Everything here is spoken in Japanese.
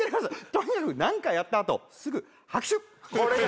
とにかく何かやった後すぐ拍手！